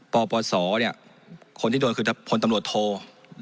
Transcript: พปสเนี่ยคนที่โดนคือผลตำรวจโทร